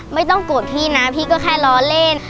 ไม่ต้องโกรธพี่นะพี่ก็แค่ล้อเล่น